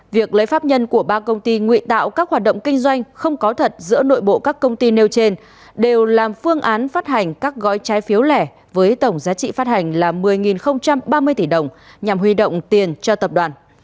việc lấy pháp nhân của ba công ty nguy tạo các hoạt động kinh doanh không có thật giữa nội bộ các công ty nêu trên đều làm phương án phát hành các gói trái phiếu lẻ với tổng giá trị phát hành là một mươi ba mươi tỷ đồng nhằm huy động tiền cho tập đoàn